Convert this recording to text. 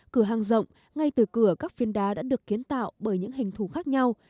cửa hang rộng ngay từ cửa các phiên đá đã được kiến tạo bởi những hình thủ khác nhau